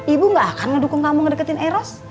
ibu gak akan ngedukung kamu ngedekatin eros